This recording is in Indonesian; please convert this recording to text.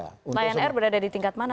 bnr berada di tingkat mana pada saat itu